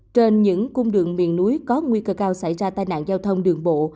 trên những cung đường miền núi có nguy cơ cao xảy ra tai nạn giao thông đường bộ